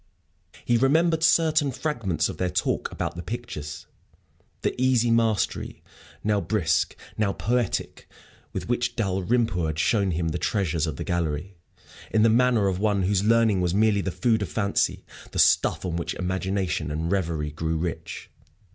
He remembered certain fragments of their talk about the pictures the easy mastery, now brusque, now poetic, with which Dalrymple had shown him the treasures of the gallery, in the manner of one whose learning was merely the food of fancy, the stuff on which imagination and reverie grew rich.